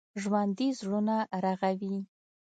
ژوندي زړونه رغوي